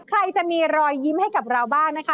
ใครจะมีรอยยิ้มให้กับเราบ้างนะคะ